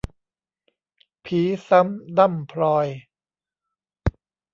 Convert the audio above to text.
ผีซ้ำด้ำพลอย